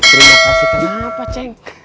terima kasih kenapa ceng